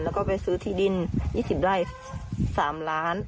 แล้วก็ไปซื้อที่ดิน๒๐ไร่๓ล้าน